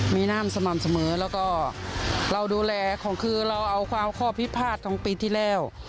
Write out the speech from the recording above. มีน้ำสม่ำเสมอแล้วก็เราดูแลของคือเราเอาความข้อพิพาทของปีที่แล้ว